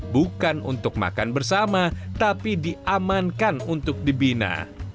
bukan untuk makan bersama tapi diamankan untuk dibina